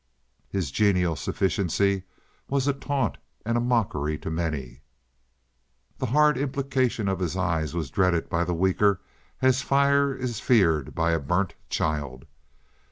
His genial sufficiency was a taunt and a mockery to many. The hard implication of his eye was dreaded by the weaker as fire is feared by a burnt child.